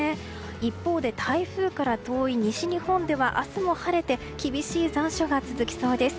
一方で、台風から遠い西日本では明日も晴れて厳しい残暑が続きそうです。